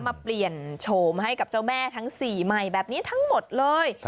มาเปลี่ยนโฉมให้กับเจ้าแม่ทั้ง๔ใหม่แบบนี้ทั้งหมดเลย